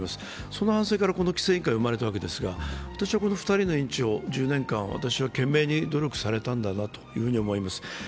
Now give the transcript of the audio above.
その反省から、この規制委員会が生まれたわけですが、この２人の委員長は１０年間、懸命に努力されたんだろうなと思います。